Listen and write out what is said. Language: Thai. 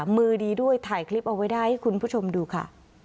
มือดีด้วยถ่ายคลิปเอาไว้ได้ให้คุณผู้ชมดูค่ะ